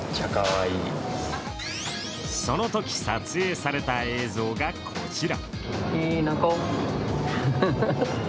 そのとき撮影された映像がこちら。